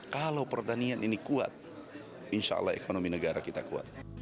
kalau pertanian ini kuat insya allah ekonomi negara kita kuat